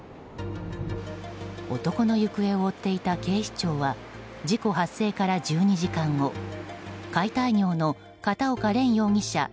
男の行方を追っていた警視庁は事故発生から１２時間後解体業の片岡蓮容疑者